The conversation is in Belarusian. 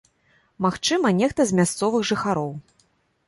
Магчыма, нехта з мясцовых жыхароў.